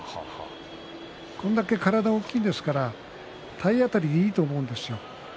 これだけ体が大きいですから体当たりでいいと思うんですよ。